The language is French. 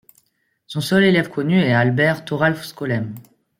Son seul élève connu est Albert Thoralf Skolem.